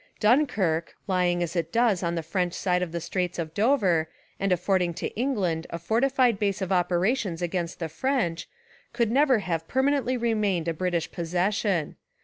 Dun kirk, lying as it does on the French side of the Straits of Dover, and affording to England a fortified base of operations against the French, could never have permanently remained a Brit ish possession.